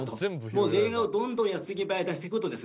もう例外をどんどん矢継ぎ早に出していくとですね